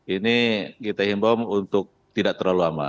ini kita himbau untuk tidak terlalu lama